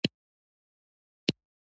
زړه د خوږو احساساتو فضا ده.